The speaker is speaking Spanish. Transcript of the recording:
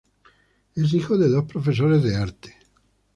Es hijo de dos profesores de arte.